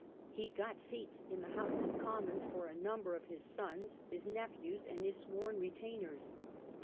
He got seats in the House of Commons for a number of his sons, his nephews, and his sworn retainers.